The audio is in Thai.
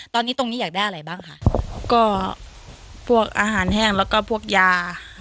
ตอนนี้ตรงนี้อยากได้อะไรบ้างค่ะก็พวกอาหารแห้งแล้วก็พวกยา